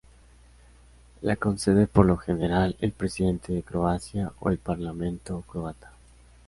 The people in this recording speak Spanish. La concede por lo general, el Presidente de Croacia o el Parlamento Croata.